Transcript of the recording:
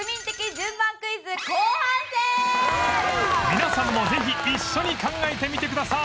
皆さんもぜひ一緒に考えてみてください